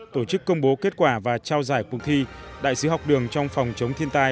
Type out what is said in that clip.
tổ chức công bố kết quả và trao giải cuộc thi đại sứ học đường trong phòng chống thiên tai